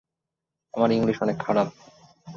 আমার ইংলিশ অনেক খারাপ।